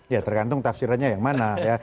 ya tergantung tafsirannya yang mana